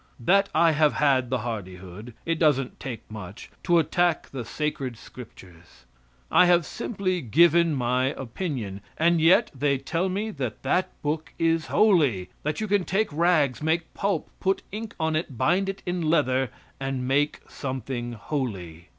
That I have had the hardihood it doesn't take much to attack the sacred scriptures. I have simply given my opinion; and yet they tell me that that book is holy that you can take rags, make pulp, put ink on it, bind it in leather, and make something holy.